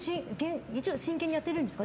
一応、真剣にやってるんですか？